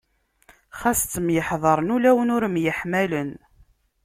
Xas ttemyeḥḍaṛen, ulawen ur myelḥamen.